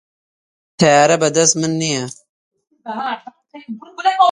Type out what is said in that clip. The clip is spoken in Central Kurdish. تەیارە بە دەست من نییە.